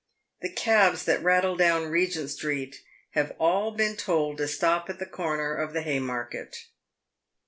The cabs that rattle down Regent street have all been told to stop at the corner of the Hay market.